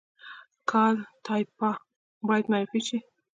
کالтура باید معرفي شي